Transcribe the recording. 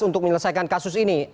untuk menyelesaikan kasus ini